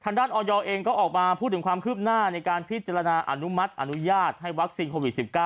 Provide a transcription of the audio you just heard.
ออยเองก็ออกมาพูดถึงความคืบหน้าในการพิจารณาอนุมัติอนุญาตให้วัคซีนโควิด๑๙